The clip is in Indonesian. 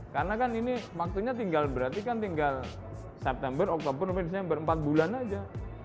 karena kan ini waktunya tinggal berarti kan tinggal september oktober november empat bulan saja